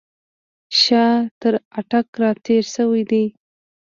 شاه تر اټک را تېر شوی دی.